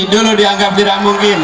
dulu dianggap tidak mungkin